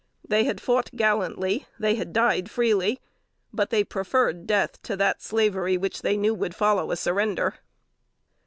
They had fought gallantly, they had died freely; but they preferred death to that slavery which they knew would follow a surrender.